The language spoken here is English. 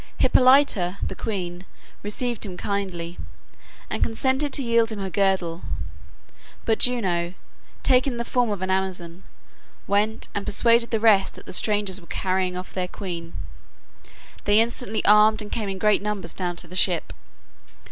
Hippolyta, the queen, received him kindly, and consented to yield him her girdle, but Juno, taking the form of an Amazon, went and persuaded the rest that the strangers were carrying off their queen. They instantly armed and came in great numbers down to the ship.